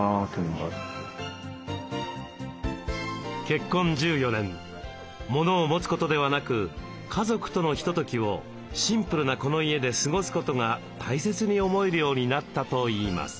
結婚１４年モノを持つことではなく家族とのひとときをシンプルなこの家で過ごすことが大切に思えるようになったといいます。